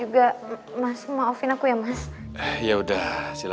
gue mau ke rumah